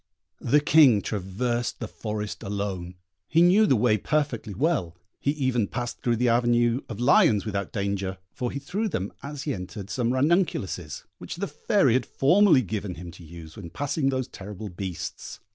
The King traversed the forest alone; he knew the way perfectly well; he even passed through the avenue of lions without danger, for he threw them, as he entered, some ranunculuses, which the Fairy had formerly given him to use when passing those terrible beasts.